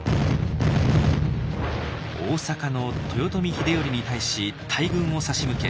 大坂の豊臣秀頼に対し大軍を差し向け